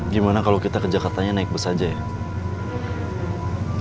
gimana kalau kita ke jakartanya naik bus aja ya